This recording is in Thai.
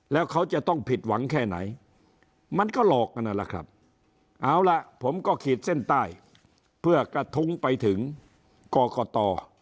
แล้วเขาจะต้องผิดหวังแค่ไหนมันก็หลอกกันนั่นแหละครับเอาล่ะผมก็ขีดเส้นใต้เพื่อกระทุ้งไปถึงกรกต